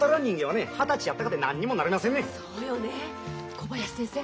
小林先生